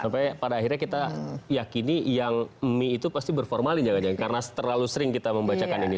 sampai pada akhirnya kita yakini yang mie itu pasti berformalin jangan jangan karena terlalu sering kita membacakan ini